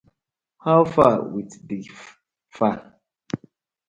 How far wit di far?